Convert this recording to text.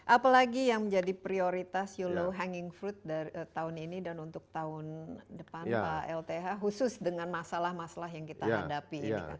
apalagi yang menjadi prioritas you low hanging fruit tahun ini dan untuk tahun depan pak lth khusus dengan masalah masalah yang kita hadapi ini kan